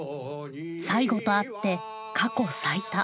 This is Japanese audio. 最後とあって過去最多。